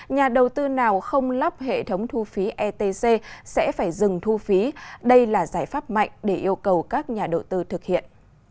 nhà đầu tư nào không lắp hệ thống thu phí etc sẽ phải dừng thu phí đây là giải pháp mạnh để yêu cầu các nhà đầu tư thực hiện